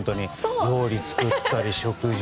料理作ったり。